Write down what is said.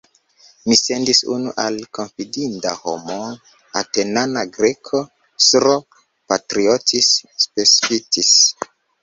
Mi sendis unu al konfidinda homo, Atenana Greko, S-ro Patriotis Pseftis.